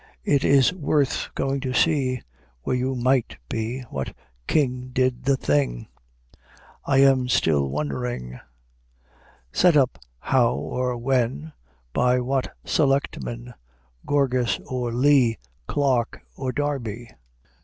It is worth going to see Where you might be. What king Did the thing, I am still wondering; Set up how or when, By what selectmen, Gourgas or Lee, Clark or Darby?